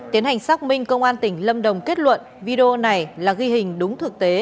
tiến hành xác minh công an tỉnh lâm đồng kết luận video này là ghi hình đúng thực tế